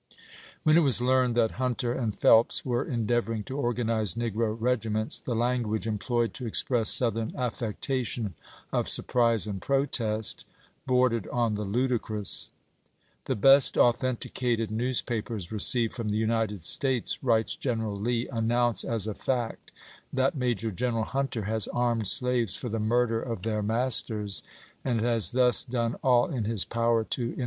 When it was learned that Hunter and Phelps were endeavoring to organize negro regi ments, the language employed to express Southern affectation of surprise and protest bordered on the ludicrous. " The best authenticated newspapers received from the United States," writes General Lee, "announce as a fact that Major G eneral Hunter has armed slaves for the murder of their nfuelk, naasters, and has thus done all in his power to in '^"mooVI?